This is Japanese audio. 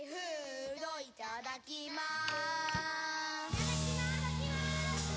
「いただきます」